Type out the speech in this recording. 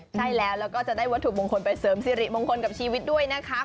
ใช่แล้วแล้วก็จะได้วัตถุมงคลไปเสริมสิริมงคลกับชีวิตด้วยนะคะ